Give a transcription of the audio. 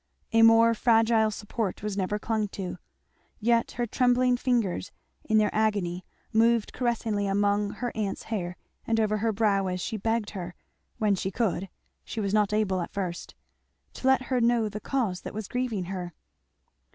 A more fragile support was never clung to. Yet her trembling fingers, in their agony moved caressingly among her aunt's hair and over her brow as she begged her when she could, she was not able at first to let her know the cause that was grieving her.